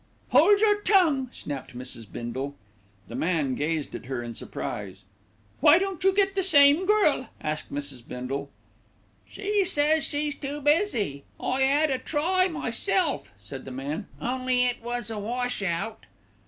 "Hold your tongue," snapped Mrs. Bindle. The man gazed at her in surprise. "Why don't you get the same girl?" asked Mrs. Bindle. "She says she's too busy. I 'ad a try myself," said the man, "only it was a washout."